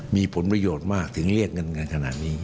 มีผลประโยชน์มากถึงเรียกเงินกันขนาดนี้